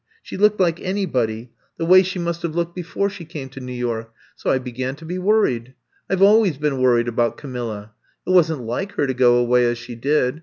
She looked like anybody — the way she must have looked I'VE COME TO STAY 179 before she came to New York ! So I began to be worried. I Ve always been worried about Camilla. It wasn't like her to go away as she did.